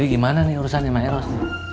jadi gimana nih urusan maeros